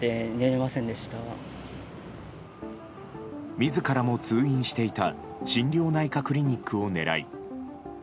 自らも通院していた心療内科クリニックを狙い